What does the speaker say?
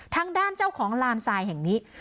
ทางด้านเจ้าของลานทรายแห่งนี้